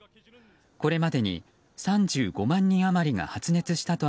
これまでに３５万人余りが発熱したと